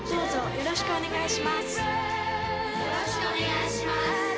よろしくお願いします